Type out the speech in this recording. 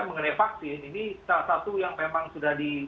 mengenai vaksin ini salah satu yang memang sudah di